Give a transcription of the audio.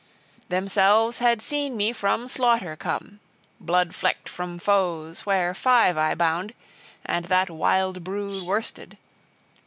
Themselves had seen me from slaughter come blood flecked from foes, where five I bound, and that wild brood worsted.